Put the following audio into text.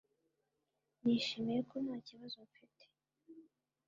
Nishimiye ko nta kibazo mfite.